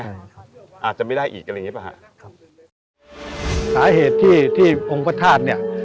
ใช่ครับอาจจะไม่ได้อีกอะไรอย่างงีป่ะฮะครับสาเหตุที่ที่องค์พระธาตุเนี่ย